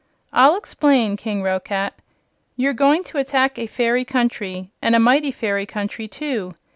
"I'll explain, King Roquat. You're going to attack a fairy country, and a mighty fairy country, too.